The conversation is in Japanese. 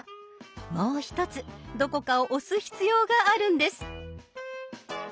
もう一つどこかを押す必要があるんです。